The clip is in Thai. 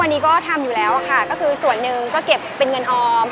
วันนี้ก็ทำอยู่แล้วค่ะก็คือส่วนหนึ่งก็เก็บเป็นเงินออม